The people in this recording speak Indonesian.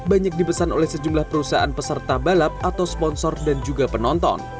banyak dipesan oleh sejumlah perusahaan peserta balap atau sponsor dan juga penonton